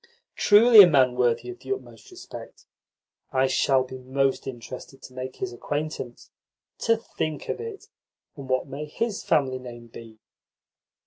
"Truly a man worthy of the utmost respect! I shall be most interested to make his acquaintance. To think of it! And what may his family name be?"